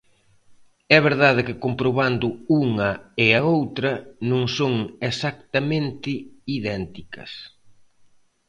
É verdade que comprobando unha e a outra non son exactamente idénticas.